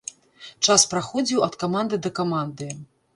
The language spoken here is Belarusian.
Час праходзіў ад каманды да каманды.